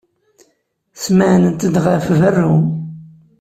Smeɛnent-d ɣef berru.